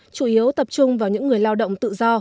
chủ yếu tập trung vào những người lao động tự do